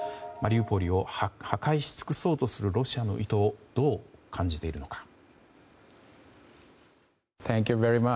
マリウポリを破壊しつくそうとするロシアの意図をどう感じているのか。